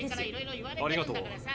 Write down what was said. ありがとう。